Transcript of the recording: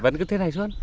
vẫn cứ thế này suốt